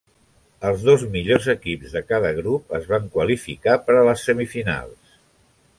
Els dos millors equips de cada grup es van qualificar per a les semifinals.